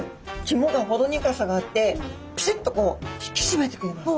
肝がほろ苦さがあってピシッとこう引きしめてくれます。